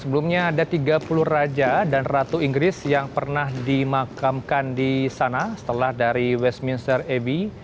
sebelumnya ada tiga puluh raja dan ratu inggris yang pernah dimakamkan di sana setelah dari westminster abbey